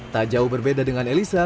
tak jauh berbeda dengan elisa